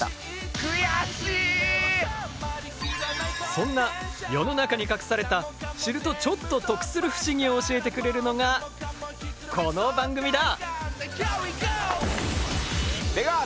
そんな世の中に隠された知るとちょっと得する不思議を教えてくれるのがこの番組だ！